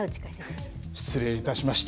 失礼いたしました。